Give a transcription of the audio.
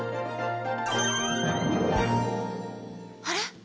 あれ？